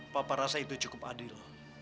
papa rasa itu cukup adil